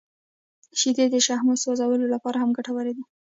• شیدې د شحمو سوځولو لپاره هم ګټورې دي.